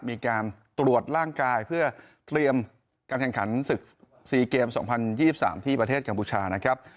มีการตรวจร่างกายเพื่อเตรียมการแข่งขันศึก๔เกม๒๐๒๓ที่ประเทศกัมพูชานะครับ